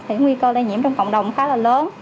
thì nguy cơ lây nhiễm trong cộng đồng khá là lớn